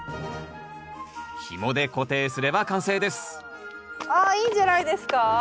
ひもで固定すれば完成ですああいいんじゃないですか？